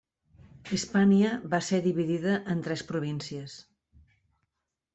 Hispània va ser dividida en tres províncies: